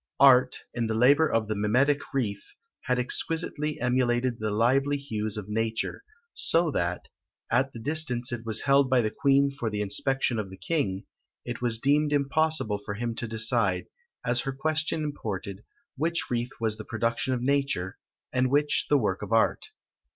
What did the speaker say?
Art, in the labour of the mimetic wreath, had exquisitely emulated the lively hues of nature; so that, at the distance it was held by the queen for the inspection of the king, it was deemed impossible for him to decide, as her question imported, which wreath was the production of nature, and which the work of art.